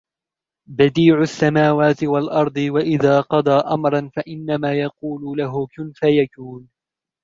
بَدِيعُ السَّمَاوَاتِ وَالْأَرْضِ وَإِذَا قَضَى أَمْرًا فَإِنَّمَا يَقُولُ لَهُ كُنْ فَيَكُونُ